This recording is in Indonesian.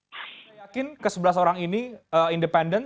saya yakin ke sebelas orang ini independen